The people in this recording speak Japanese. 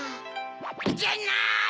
じゃない！